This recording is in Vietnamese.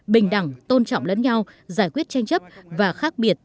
bình đẳng tôn trọng lẫn nhau giải quyết tranh chấp và khác biệt